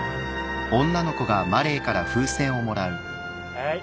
はい。